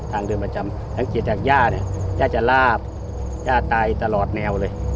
ทางเดินประจำสังเกตจากย่าเนี่ยย่าจะลาบย่าตายตลอดแนวเลย